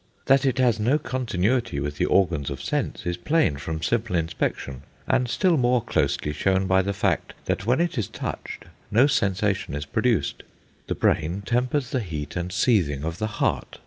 That it has no continuity with the organs of sense is plain from simple inspection, and still more closely shown by the fact that when it is touched no sensation is produced.... The brain tempers the heat and seething of the heart....